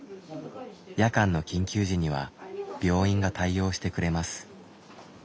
夜間の緊急時には病院が対応してくれます。